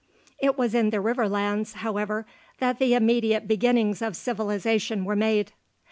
It was in the river lands, however, that the immediate beginnings of civilization were made.